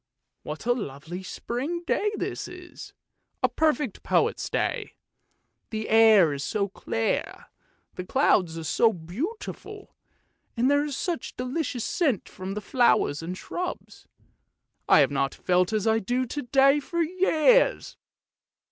What a lovely spring day this is, a perfect poet's day! the air is so clear, and the clouds are so beautiful, and there is such a delicious scent from the flowers and shrubs. I have not felt as I do to day for years!